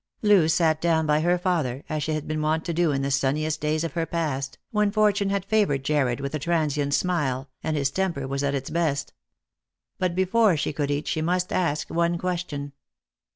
Loo sat down by her father, as she had been wont to do in the sunniest days of her past, when Fortune had favoured Jarred with a transient smile, and his temper was at its best. But before she could eat, she must ask one question.